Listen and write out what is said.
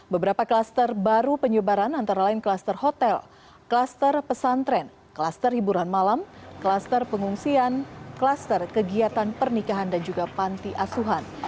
beberapa kluster baru penyebaran antara lain kluster hotel kluster pesantren kluster hiburan malam kluster pengungsian kluster kegiatan pernikahan dan juga panti asuhan